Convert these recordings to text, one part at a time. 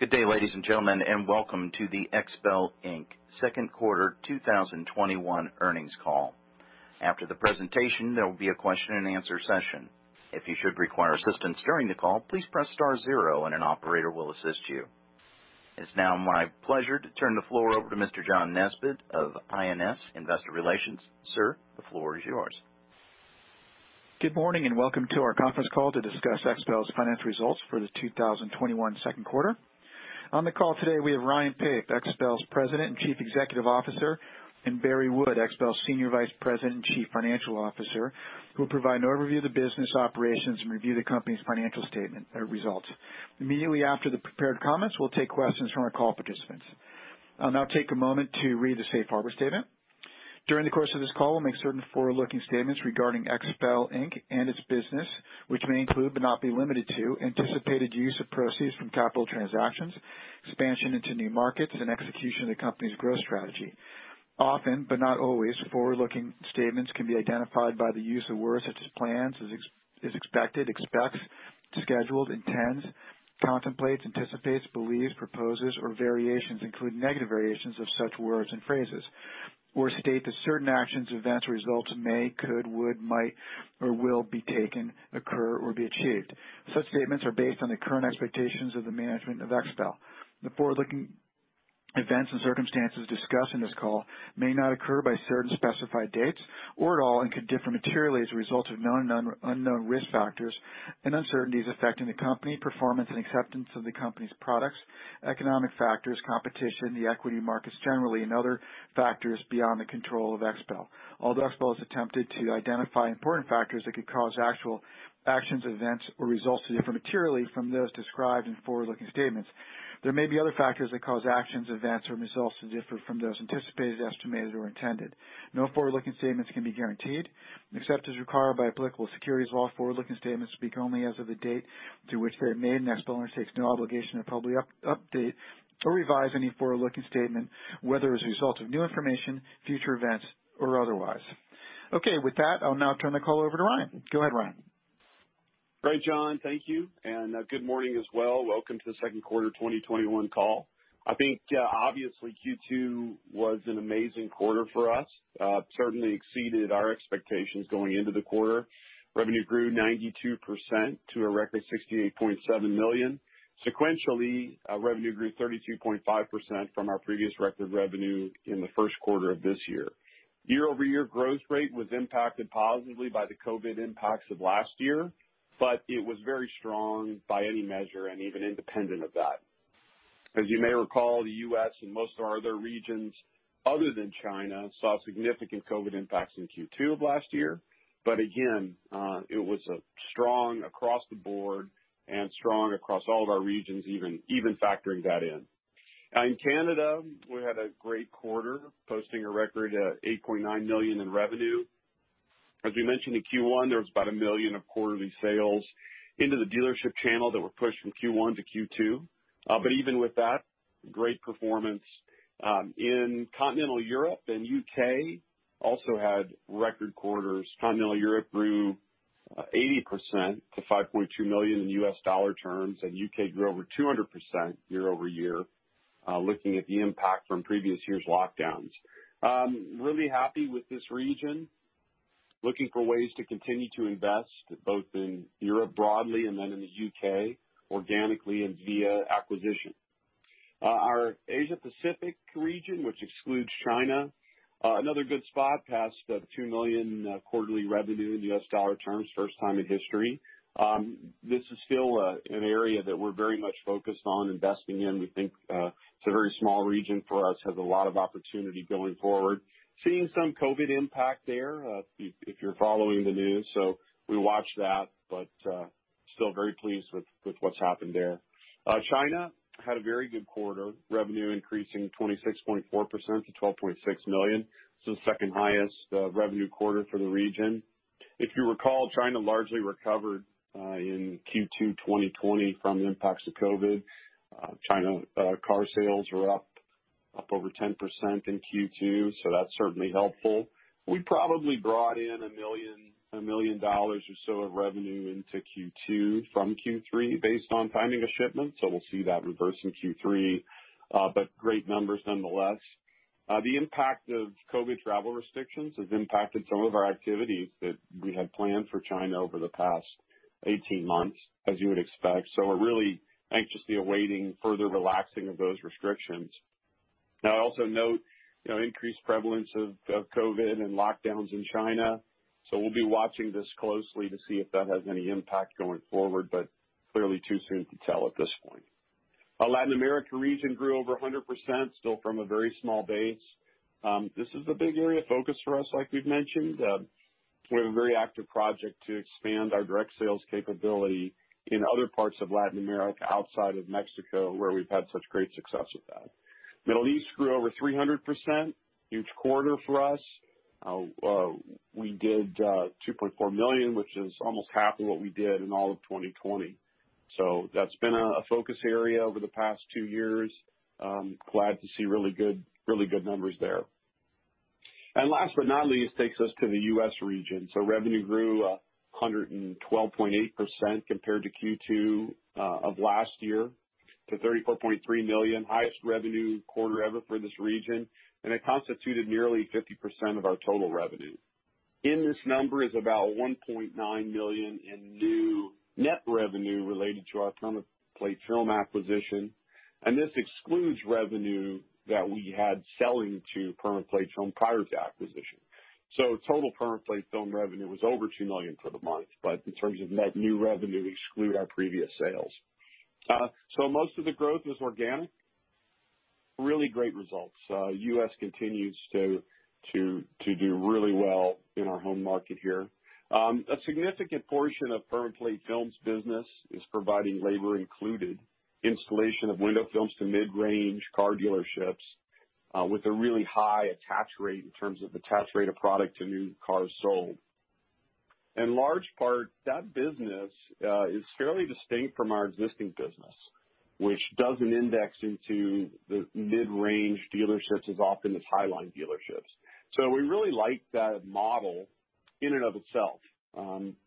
Good day, ladies and gentlemen, welcome to the XPEL, Inc. Second Quarter 2021 Earnings Call. After the presentation, there will be a question-and-answer session. If you should require assistance during the call, please press star zero and an operator will assist you. It's now my pleasure to turn the floor over to Mr. John Nesbett of IMS Investor Relations. Sir, the floor is yours. Good morning. Welcome to our conference call to discuss XPEL's Financial Results for the 2021 Second Quarter. On the call today, we have Ryan Pape, XPEL's President and Chief Executive Officer, and Barry Wood, XPEL's Senior Vice President and Chief Financial Officer, who will provide an overview of the business operations and review the company's financial statement results. Immediately after the prepared comments, we'll take questions from our call participants. I'll now take a moment to read the safe harbor statement. During the course of this call, we'll make certain forward-looking statements regarding XPEL Inc. and its business, which may include, but not be limited to, anticipated use of proceeds from capital transactions, expansion into new markets, and execution of the company's growth strategy. Often, but not always, forward-looking statements can be identified by the use of words such as plans, is expected, expects, scheduled, intends, contemplates, anticipates, believes, proposes, or variations, including negative variations of such words and phrases or state that certain actions, events, or results may, could, would, might, or will be taken, occur, or be achieved. Such statements are based on the current expectations of the management of XPEL. The forward-looking events and circumstances discussed in this call may not occur by certain specified dates or at all and could differ materially as a result of known and unknown risk factors and uncertainties affecting the company, performance and acceptance of the company's products, economic factors, competition, the equity markets generally, and other factors beyond the control of XPEL. Although XPEL has attempted to identify important factors that could cause actual actions, events, or results to differ materially from those described in forward-looking statements, there may be other factors that cause actions, events, or results to differ from those anticipated, estimated, or intended. No forward-looking statements can be guaranteed. Except as required by applicable securities law, forward-looking statements speak only as of the date to which they are made, and XPEL undertakes no obligation to publicly update or revise any forward-looking statement, whether as a result of new information, future events, or otherwise. Okay. With that, I'll now turn the call over to Ryan. Go ahead, Ryan. Great, John. Thank you. Good morning as well. Welcome to the second quarter 2021 call. I think, obviously Q2 was an amazing quarter for us. It certainly exceeded our expectations going into the quarter. Revenue grew 92% to a record $68.7 million. Sequentially, revenue grew 32.5% from our previous record revenue in the first quarter of this year. Year-over-year growth rate was impacted positively by the COVID impacts of last year. It was very strong by any measure and even independent of that. As you may recall, the U.S. and most of our other regions other than China saw significant COVID impacts in Q2 of last year. Again, it was strong across the board and strong across all of our regions, even factoring that in. In Canada, we had a great quarter, posting a record at $8.9 million in revenue. As we mentioned in Q1, there was about $1 million of quarterly sales into the dealership channel that were pushed from Q1 to Q2. Even with that, great performance. In continental Europe and U.K. also had record quarters. Continental Europe grew 80% to $5.2 million in US dollar terms, U.K. grew over 200% year-over-year, looking at the impact from previous years' lockdowns. Really happy with this region. Looking for ways to continue to invest both in Europe broadly and then in the U.K. organically and via acquisition. Our Asia Pacific region, which excludes China, another good spot, passed $2 million quarterly revenue in US dollar terms, first time in history. This is still an area that we're very much focused on investing in. We think it's a very small region for us, has a lot of opportunity going forward. Seeing some COVID impact there, if you're following the news, we watch that, still very pleased with what's happened there. China had a very good quarter, revenue increasing 26.4% to $12.6 million. This is the second highest revenue quarter for the region. If you recall, China largely recovered in Q2 2020 from the impacts of COVID. China car sales are up over 10% in Q2, that's certainly helpful. We probably brought in $1 million or so of revenue into Q2 from Q3 based on timing of shipment. We'll see that reverse in Q3, but great numbers nonetheless. The impact of COVID travel restrictions has impacted some of our activities that we had planned for China over the past 18 months, as you would expect. We're really anxiously awaiting further relaxing of those restrictions. Now I also note, you know, increased prevalence of COVID and lockdowns in China, we'll be watching this closely to see if that has any impact going forward, but clearly too soon to tell at this point. Our Latin America region grew over 100%, still from a very small base. This is a big area of focus for us, like we've mentioned. We have a very active project to expand our direct sales capability in other parts of Latin America outside of Mexico, where we've had such great success with that. Middle East grew over 300%. Huge quarter for us. We did $2.4 million, which is almost half of what we did in all of 2020. That's been a focus area over the past two years. Glad to see really good numbers there. Last but not least takes us to the U.S. region. Revenue grew 112.8% compared to Q2 of last year to $34.3 million. Highest revenue quarter ever for this region, and it constituted nearly 50% of our total revenue. In this number is about $1.9 million in new net revenue related to our PermaPlate Film acquisition. This excludes revenue that we had selling to PermaPlate Film prior to acquisition. Total PermaPlate Film revenue was over $2 million for the month. In terms of net new revenue, exclude our previous sales. Most of the growth is organic. Really great results. U.S. continues to do really well in our home market here. A significant portion of PermaPlate Films business is providing labor included installation of window films to mid-range car dealerships with a really high attach rate in terms of attach rate of product to new cars sold. In large part, that business is fairly distinct from our existing business, which doesn't index into the mid-range dealerships as often as highline dealerships. We really like that model in and of itself.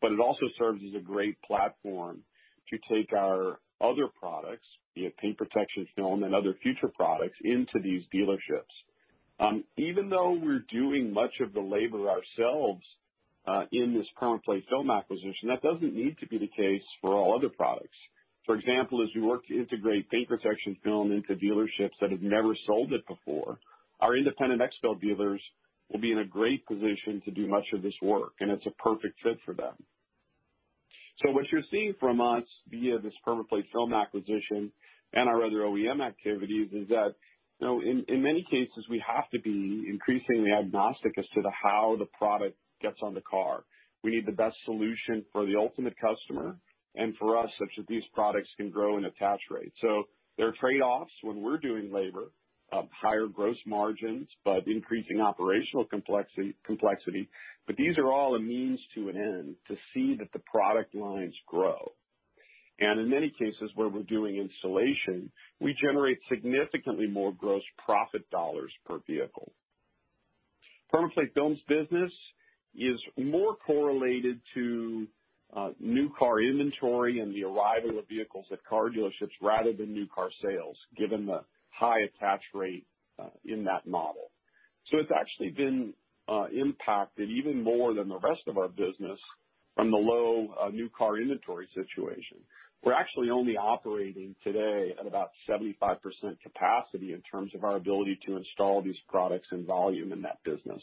It also serves as a great platform to take our other products, be it Paint Protection Film and other future products, into these dealerships. Even though we're doing much of the labor ourselves, in this PermaPlate Film acquisition, that doesn't need to be the case for all other products. For example, as we work to integrate Paint Protection Film into dealerships that have never sold it before, our independent XPEL dealers will be in a great position to do much of this work, and it's a perfect fit for them. What you're seeing from us via this PermaPlate Film acquisition and our other OEM activities is that, you know, in many cases, we have to be increasingly agnostic as to the how the product gets on the car. We need the best solution for the ultimate customer and for us, such that these products can grow in attach rate. There are trade-offs when we're doing labor, higher gross margins, but increasing operational complexity. These are all a means to an end to see that the product lines grow. In many cases, where we're doing installation, we generate significantly more gross profit dollars per vehicle. PermaPlate Films business is more correlated to new car inventory and the arrival of vehicles at car dealerships rather than new car sales, given the high attach rate in that model. It's actually been impacted even more than the rest of our business from the low new car inventory situation. We're actually only operating today at about 75% capacity in terms of our ability to install these products in volume in that business.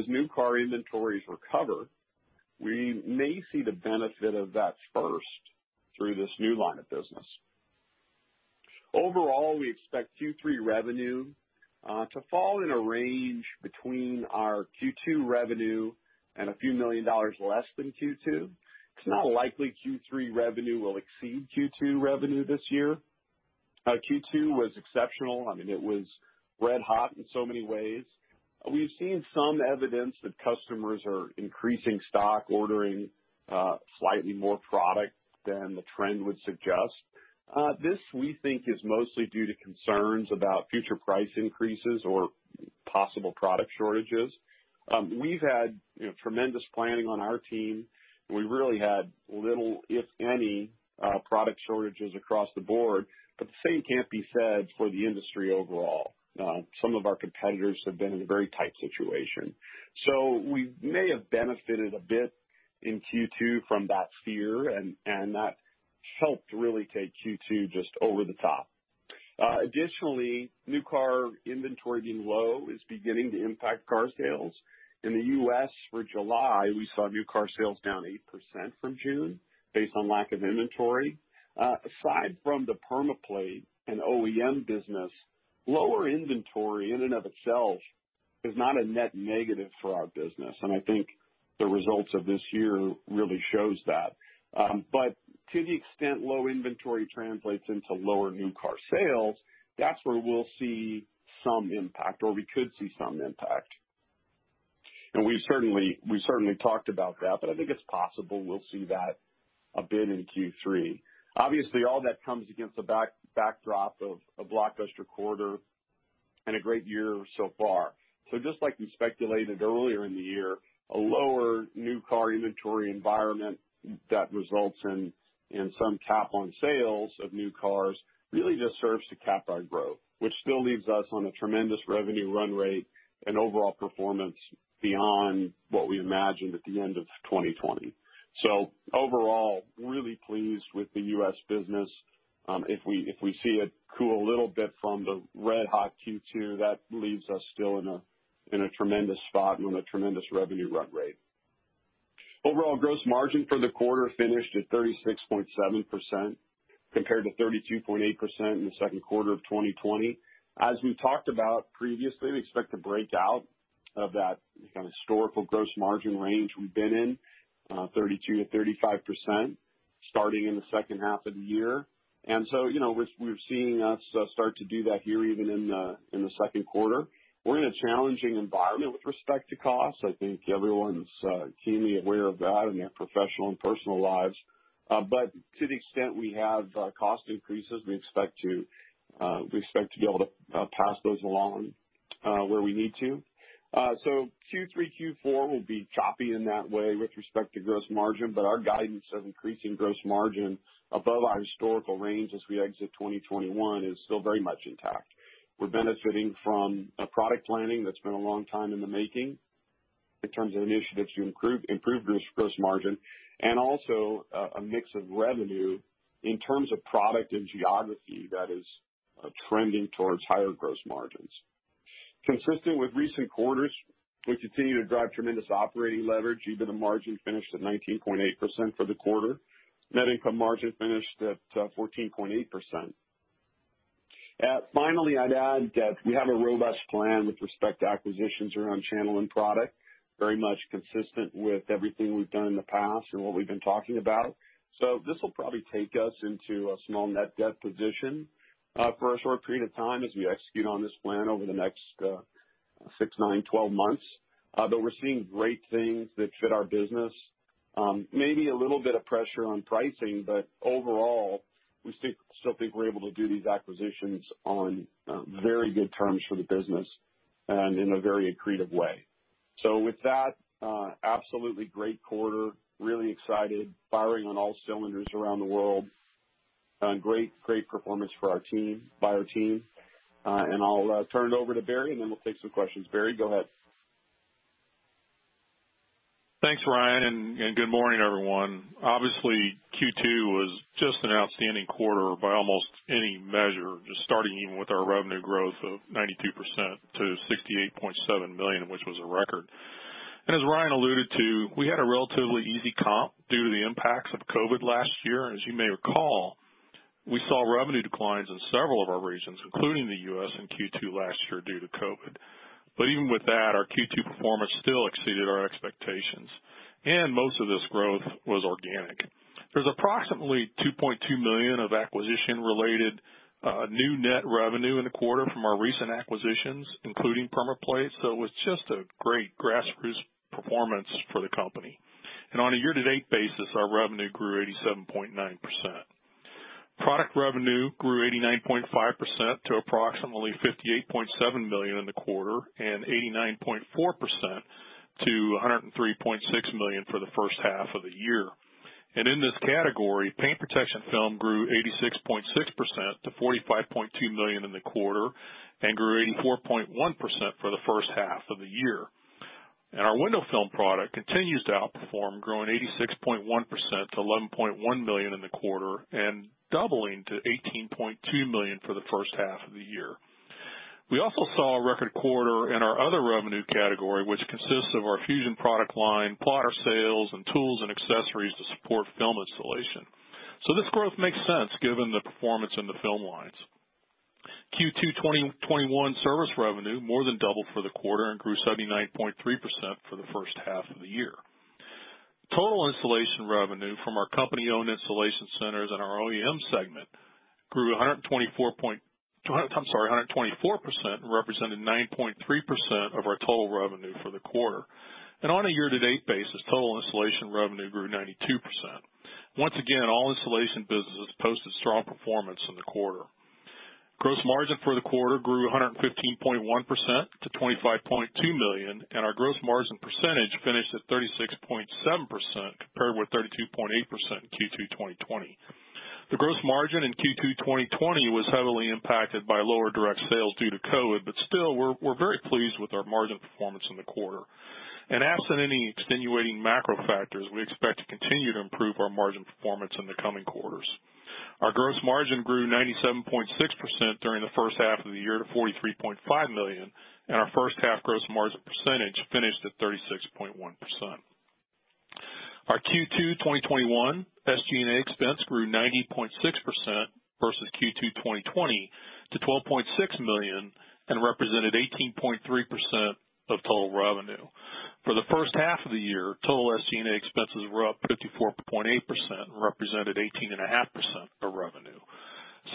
As new car inventories recover, we may see the benefit of that first through this new line of business. Overall, we expect Q3 revenue to fall in a range between our Q2 revenue and a few million dollars less than Q2. It's not likely Q3 revenue will exceed Q2 revenue this year. Q2 was exceptional. I mean, it was red hot in so many ways. We've seen some evidence that customers are increasing stock ordering slightly more product than the trend would suggest. This we think is mostly due to concerns about future price increases or possible product shortages. We've had, you know, tremendous planning on our team. We really had little, if any, product shortages across the board, but the same can't be said for the industry overall. Some of our competitors have been in a very tight situation. We may have benefited a bit in Q2 from that fear, and that helped really take Q2 just over the top. Additionally, new car inventory being low is beginning to impact car sales. In the U.S. for July, we saw new car sales down 8% from June based on lack of inventory. Aside from the PermaPlate and OEM business, lower inventory in and of itself is not a net negative for our business, and I think the results of this year really shows that. To the extent low inventory translates into lower new car sales, that's where we'll see some impact or we could see some impact. We've certainly talked about that, but I think it's possible we'll see that a bit in Q3. Obviously, all that comes against a backdrop of a blockbuster quarter and a great year so far. Just like we speculated earlier in the year, a lower new car inventory environment that results in some cap on sales of new cars really just serves to cap our growth, which still leaves us on a tremendous revenue run rate and overall performance beyond what we imagined at the end of 2020. Overall, really pleased with the U.S. business. If we see it cool a little bit from the red-hot Q2, that leaves us still in a tremendous spot and on a tremendous revenue run rate. Overall gross margin for the quarter finished at 36.7% compared to 32.8% in the second quarter of 2020. As we talked about previously, we expect a breakout of that kind of historical gross margin range we've been in, 32%-35%, starting in the second half of the year. You know, we're seeing us start to do that here even in the second quarter. We're in a challenging environment with respect to costs. I think everyone's keenly aware of that in their professional and personal lives. To the extent we have cost increases, we expect to, we expect to be able to pass those along where we need to. Q3, Q4 will be choppy in that way with respect to gross margin. Our guidance of increasing gross margin above our historical range as we exit 2021 is still very much intact. We're benefiting from a product planning that's been a long time in the making in terms of initiatives to improve gross margin, and also a mix of revenue in terms of product and geography that is trending towards higher gross margins. Consistent with recent quarters, we continue to drive tremendous operating leverage. EBITDA margin finished at 19.8% for the quarter. Net income margin finished at 14.8%. Finally, I'd add that we have a robust plan with respect to acquisitions around channel and product, very much consistent with everything we've done in the past and what we've been talking about. This will probably take us into a small net debt position for a short period of time as we execute on this plan over the next six, nine, 12 months. We're seeing great things that fit our business. Maybe a little bit of pressure on pricing, overall, we still think we're able to do these acquisitions on very good terms for the business and in a very accretive way. With that, absolutely great quarter. Really excited. Firing on all cylinders around the world. Great performance for our team, by our team. I'll turn it over to Barry, then we'll take some questions. Barry, go ahead. Thanks, Ryan, and good morning, everyone. Q2 was just an outstanding quarter by almost any measure, just starting even with our revenue growth of 92% to $68.7 million, which was a record. As Ryan alluded to, we had a relatively easy comp due to the impacts of COVID last year. As you may recall, we saw revenue declines in several of our regions, including the U.S. in Q2 last year due to COVID. Even with that, our Q2 performance still exceeded our expectations, and most of this growth was organic. There's approximately $2.2 million of acquisition-related new net revenue in the quarter from our recent acquisitions, including PermaPlate. It was just a great grassroots performance for the company. On a year-to-date basis, our revenue grew 87.9%. Product revenue grew 89.5% to approximately $58.7 million in the quarter and 89.4% to $103.6 million for the first half of the year. In this category, Paint Protection Film grew 86.6% to $45.2 million in the quarter and grew 84.1% for the first half of the year. Our Window Film product continues to outperform, growing 86.1% to $11.1 million in the quarter, and doubling to $18.2 million for the first half of the year. We also saw a record quarter in our other revenue category, which consists of our FUSION PLUS product line, plotter sales, and tools and accessories to support film installation. This growth makes sense given the performance in the film lines. Q2 2021 service revenue more than doubled for the quarter and grew 79.3% for the first half of the year. Total installation revenue from our company-owned installation centers and our OEM segment grew 124%, representing 9.3% of our total revenue for the quarter. On a year-to-date basis, total installation revenue grew 92%. Once again, all installation businesses posted strong performance in the quarter. Gross margin for the quarter grew 115.1% to $25.2 million, and our gross margin percentage finished at 36.7% compared with 32.8% in Q2 2020. The gross margin in Q2 2020 was heavily impacted by lower direct sales due to COVID. Still, we're very pleased with our margin performance in the quarter. Absent any extenuating macro factors, we expect to continue to improve our margin performance in the coming quarters. Our gross margin grew 97.6% during the first half of the year to $43.5 million, and our first half gross margin percentage finished at 36.1%. Our Q2 2021 SG&A expense grew 90.6% versus Q2 2020 to $12.6 million and represented 18.3% of total revenue. For the first half of the year, total SG&A expenses were up 54.8% and represented 18.5% of revenue.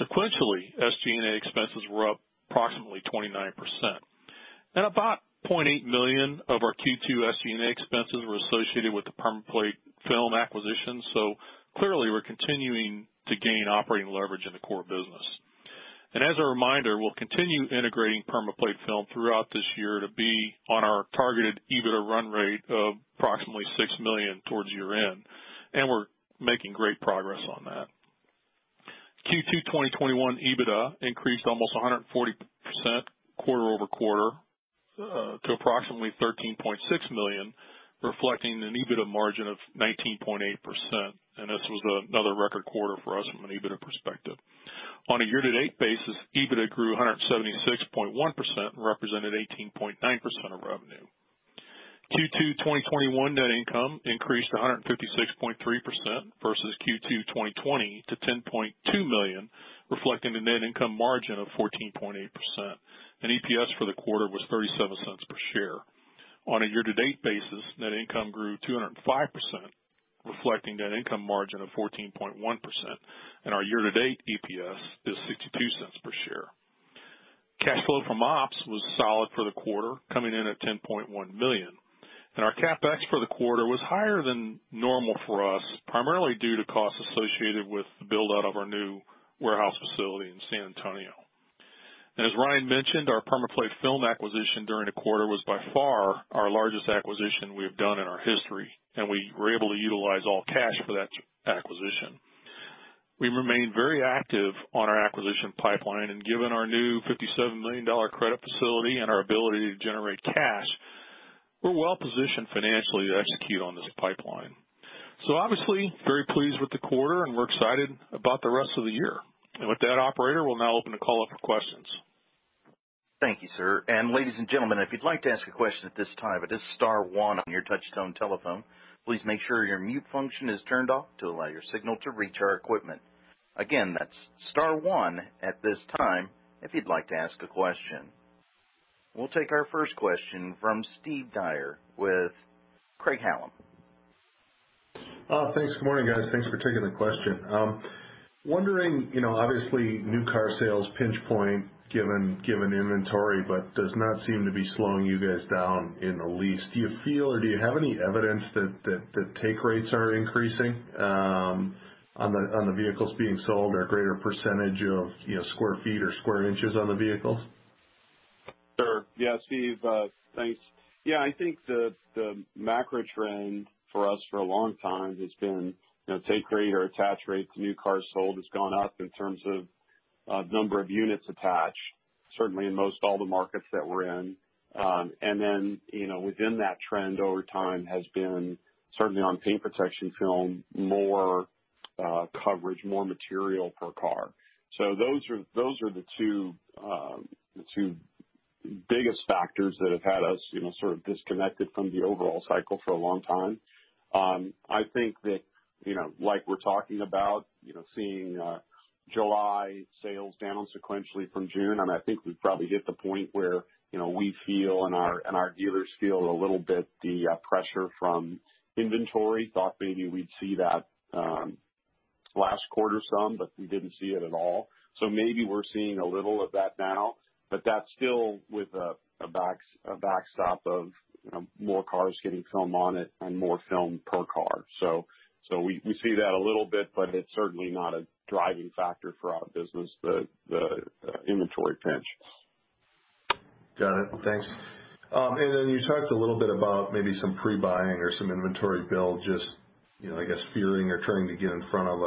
Sequentially, SG&A expenses were up approximately 29%. About $0.8 million of our Q2 SG&A expenses were associated with the PermaPlate Film acquisition. Clearly, we're continuing to gain operating leverage in the core business. As a reminder, we'll continue integrating PermaPlate Film throughout this year to be on our targeted EBITDA run rate of approximately $6 million towards year-end, and we're making great progress on that. Q2 2021 EBITDA increased almost 140% quarter-over-quarter to approximately $13.6 million, reflecting an EBITDA margin of 19.8%. This was another record quarter for us from an EBITDA perspective. On a year-to-date basis, EBITDA grew 176.1% and represented 18.9% of revenue. Q2 2021 net income increased 156.3% versus Q2 2020 to $10.2 million, reflecting a net income margin of 14.8%. EPS for the quarter was $0.37 per share. On a year-to-date basis, net income grew 205%, reflecting net income margin of 14.1%. Our year-to-date EPS is $0.62 per share. Cash flow from ops was solid for the quarter, coming in at $10.1 million. Our CapEx for the quarter was higher than normal for us, primarily due to costs associated with the build-out of our new warehouse facility in San Antonio. As Ryan mentioned, our PermaPlate Film acquisition during the quarter was by far our largest acquisition we have done in our history, and we were able to utilize all cash for that acquisition. We remain very active on our acquisition pipeline and given our new $57 million credit facility and our ability to generate cash, we're well positioned financially to execute on this pipeline. Obviously very pleased with the quarter and we're excited about the rest of the year. With that operator, we'll now open the call up for questions. Thank you, sir. Ladies and gentlemen, if you'd like to ask a question at this time, it is star one on your touch-tone telephone. Please make sure your mute function is turned off to allow your signal to reach our equipment. Again, that's star 1 at this time, if you'd like to ask a question. We'll take our first question from Steve Dyer with Craig-Hallum. Thanks. Good morning, guys. Thanks for taking the question. Wondering, you know, obviously new car sales pinch point given inventory. Does not seem to be slowing you guys down in the least. Do you feel or do you have any evidence that the take rates are increasing on the, on the vehicles being sold or a greater percentage of, you know, square feet or square inches on the vehicles? Sure. Yeah, Steve, thanks. Yeah, I think the macro trend for us for a long time has been, you know, take rate or attach rate to new cars sold has gone up in terms of, number of units attached, certainly in most all the markets that we're in. You know, within that trend over time has been certainly on Paint Protection Film, more, coverage, more material per car. Those are the two biggest factors that have had us, you know, sort of disconnected from the overall cycle for a long time. I think that, you know, like we're talking about, you know, seeing July sales down sequentially from June, I think we've probably hit the point where, you know, we feel and our, and our dealers feel a little bit the pressure from inventory. Thought maybe we'd see that last quarter some, we didn't see it at all. Maybe we're seeing a little of that now, that's still with a backstop of, you know, more cars getting film on it and more film per car. We see that a little bit, it's certainly not a driving factor for our business, the inventory pinch. Got it. Thanks. Then you talked a little bit about maybe some pre-buying or some inventory build just, you know, I guess fearing or trying to get in front of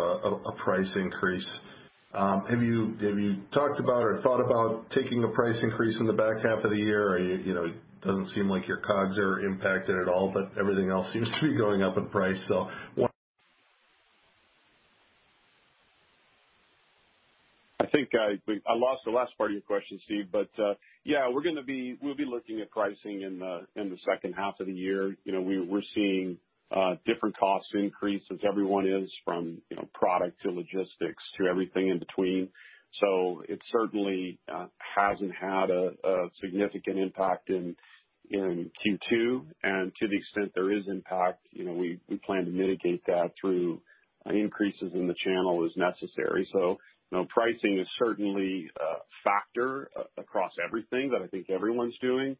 a price increase. Have you talked about or thought about taking a price increase in the back half of the year? You know, it doesn't seem like your COGS are impacted at all, but everything else seems to be going up in price. I think I lost the last part of your question, Steve Dyer, yeah, we'll be looking at pricing in the second half of the year. You know, we're seeing different cost increases, everyone is from, you know, product to logistics to everything in between. It certainly hasn't had a significant impact in Q2. To the extent there is impact, you know, we plan to mitigate that through increases in the channel as necessary. You know, pricing is certainly a factor across everything that I think everyone's doing,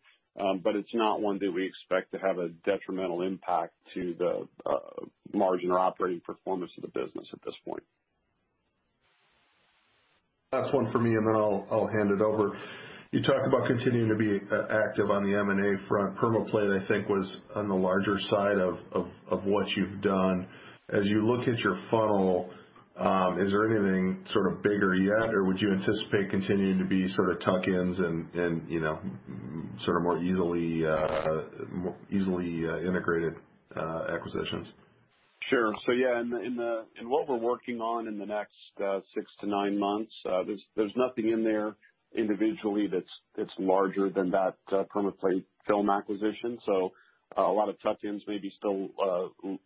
it's not one that we expect to have a detrimental impact to the margin or operating performance of the business at this point. Last one for me, and then I'll hand it over. You talked about continuing to be active on the M&A front. PermaPlate, I think, was on the larger side of what you've done. As you look at your funnel, is there anything sort of bigger yet or would you anticipate continuing to be sort of tuck-ins and, you know, sort of more easily integrated acquisitions? Sure. Yeah, in what we're working on in the next six to nine months, there's nothing in there individually that's larger than that PermaPlate film acquisition. A lot of tuck-ins may be still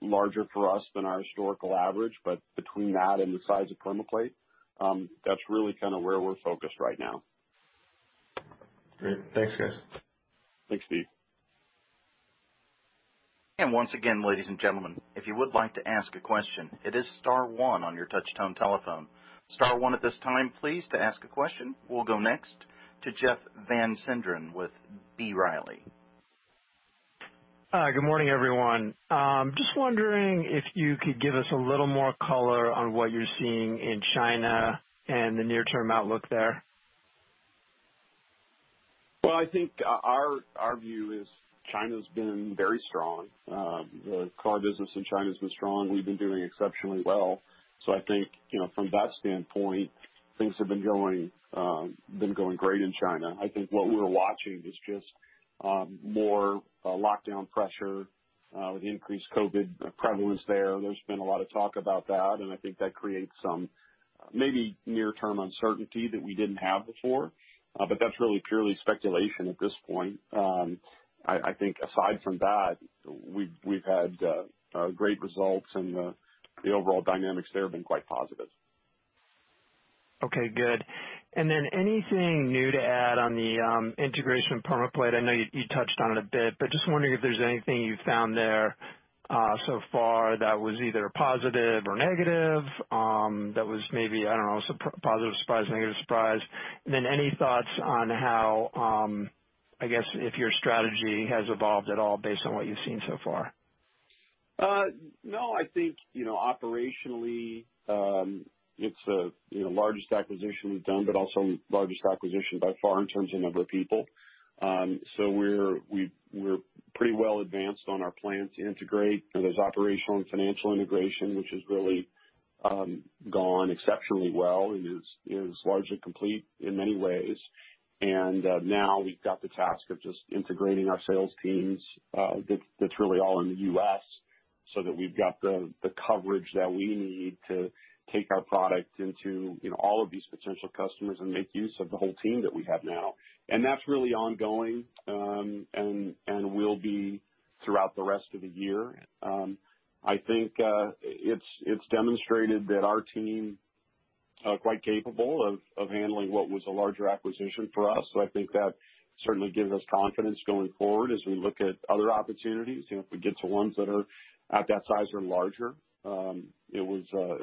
larger for us than our historical average, but between that and the size of PermaPlate, that's really kind of where we're focused right now. Great. Thanks, guys. Thanks, Steve. Once again, ladies and gentlemen, if you would like to ask a question, it is star one on your touchtone telephone. Star one at this time, please, to ask a question. We'll go next to Jeff Van Sinderen with B. Riley. Good morning, everyone. Just wondering if you could give us a little more color on what you're seeing in China and the near-term outlook there. I think our view is China's been very strong. The car business in China's been strong. We've been doing exceptionally well. I think, you know, from that standpoint, things have been going great in China. I think what we're watching is just more lockdown pressure with increased COVID prevalence there. There's been a lot of talk about that. I think that creates some maybe near-term uncertainty that we didn't have before. That's really purely speculation at this point. I think aside from that, we've had great results. The overall dynamics there have been quite positive. Okay, good. Anything new to add on the integration of PermaPlate? I know you touched on it a bit, but just wondering if there's anything you found there so far that was either positive or negative, that was maybe, I don't know, positive surprise, negative surprise? Any thoughts on how, I guess if your strategy has evolved at all based on what you've seen so far? No, I think, you know, operationally, it's the, you know, largest acquisition we've done, but also largest acquisition by far in terms of number of people. We're pretty well advanced on our plan to integrate. There's operational and financial integration, which has really gone exceptionally well and is largely complete in many ways. Now we've got the task of just integrating our sales teams, that's really all in the U.S., so that we've got the coverage that we need to take our product into, you know, all of these potential customers and make use of the whole team that we have now. That's really ongoing, and will be throughout the rest of the year. I think it's demonstrated that our team are quite capable of handling what was a larger acquisition for us. I think that certainly gives us confidence going forward as we look at other opportunities. You know, if we get to ones that are at that size or larger, it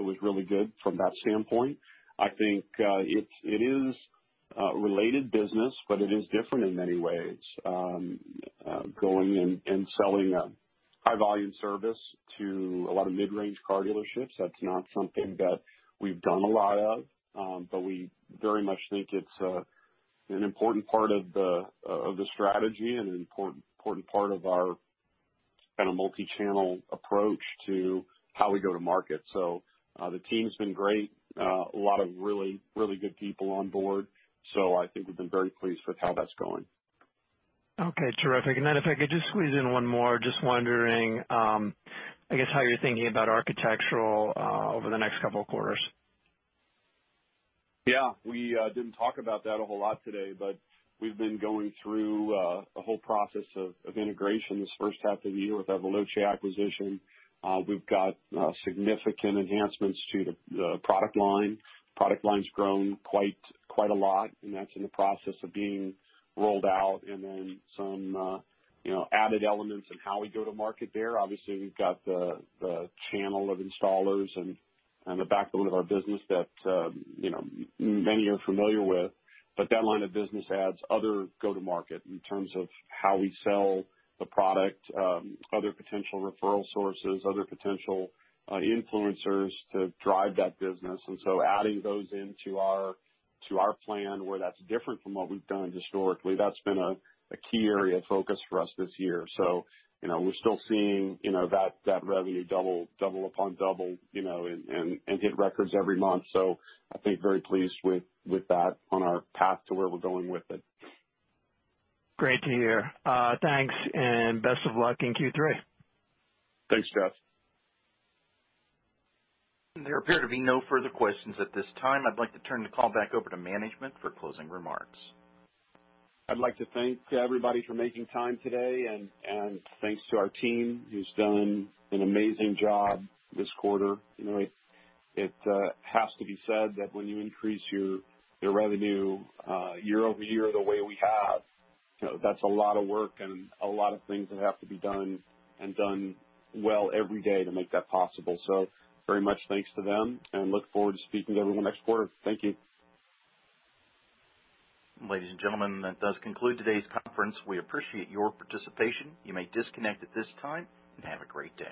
was really good from that standpoint. I think it is related business, but it is different in many ways. Going and selling a high-volume service to a lot of mid-range car dealerships, that's not something that we've done a lot of. We very much think it's an important part of the strategy and an important part of our kinda multi-channel approach to how we go to market. The team's been great. A lot of really good people on board. I think we've been very pleased with how that's going. Okay. Terrific. Then if I could just squeeze in one more. Just wondering, I guess how you're thinking about architectural over the next couple of quarters. Yeah. We didn't talk about that a whole lot today, but we've been going through a whole process of integration this first half of the year with our Veloce acquisition. We've got significant enhancements to the product line. Product line's grown quite a lot. That's in the process of being rolled out. Some, you know, added elements in how we go to market there. Obviously, we've got the channel of installers and the backbone of our business that, you know, many are familiar with. That line of business adds other go-to-market in terms of how we sell the product, other potential referral sources, other potential influencers to drive that business. Adding those into our plan, where that's different from what we've done historically, that's been a key area of focus for us this year. You know, we're still seeing, you know, that revenue double upon double, you know, and hit records every month. I think very pleased with that on our path to where we're going with it. Great to hear. Thanks, and best of luck in Q3. Thanks, Jeff. There appear to be no further questions at this time. I'd like to turn the call back over to management for closing remarks. I'd like to thank everybody for making time today, and thanks to our team who's done an amazing job this quarter. You know, it has to be said that when you increase your revenue year-over-year the way we have, you know, that's a lot of work and a lot of things that have to be done and done well every day to make that possible. Very much thanks to them and look forward to speaking to everyone next quarter. Thank you. Ladies and gentlemen, that does conclude today's conference. We appreciate your participation. You may disconnect at this time, and have a great day.